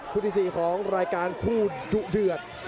ผู้ที่สี่ของรายการทตดือด